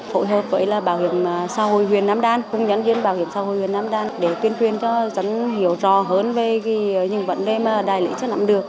phối hợp với bảo hiểm xã hội huyền nam đan cung nhắn viên bảo hiểm xã hội huyền nam đan để tuyên khuyên cho dân hiểu rõ hơn về những vấn đề mà đại lý chưa nắm được